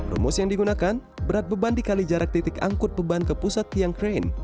rumus yang digunakan berat beban dikali jarak titik angkut beban ke pusat tiang krain